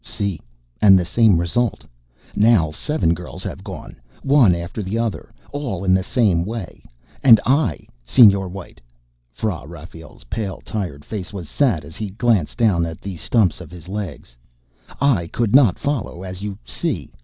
"Si, and the same result. Now seven girls have gone, one after the other, all in the same way. And I, Señor White " Fra Rafael's pale, tired face was sad as he glanced down at the stumps of his legs "I could not follow, as you see.